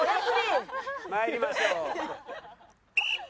参りましょう。